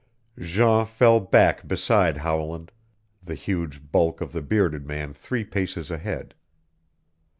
Jean fell back beside Howland, the huge bulk of the bearded man three paces ahead.